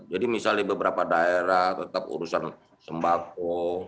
jadi misalnya beberapa daerah tetap urusan sembako